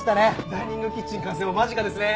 ダイニングキッチン完成も間近ですね。